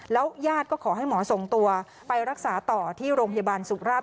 ยาดก็ขอให้หมอส่งตัวไปรักษาต่อที่โรงพยาบาลสุราช